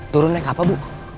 turun naik apa bu